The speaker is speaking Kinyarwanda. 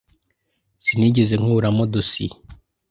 Sinigeze nkuramo dosiye.